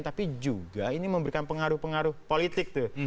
tapi juga ini memberikan pengaruh pengaruh politik tuh